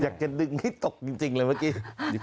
อยากเก็บดึงให้ตกจริงเลยเมื่อกี้